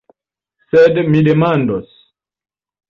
Sed mi demandos.